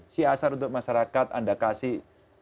si asar untuk masyarakat anda kasih